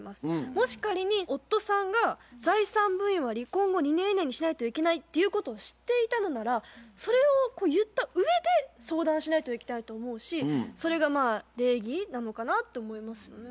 もし仮に夫さんが財産分与は離婚後２年以内にしないといけないっていうことを知っていたのならそれを言ったうえで相談しないといけないと思うしそれがまあ礼儀なのかなって思いますよね。